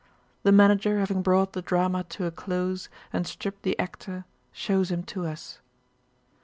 The manager having brought the drama to a close and stripped the actor shows him to us.